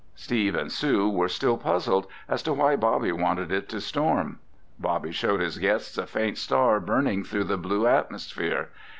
Steve and Sue were still puzzled as to why Bobby wanted it to storm. Bobby showed his guests a faint star burning through the blue atmosphere.